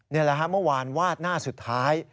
นี่แหละฮะเมื่อวานวาดหน้าสุดท้าย